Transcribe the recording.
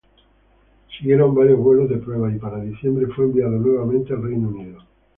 Siguieron varios vuelos de prueba, y para diciembre fue enviado nuevamente al Reino Unido.